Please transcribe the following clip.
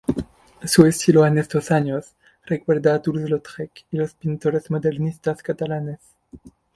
Su estilo en estos años recuerda a Toulouse-Lautrec y los pintores modernistas catalanes.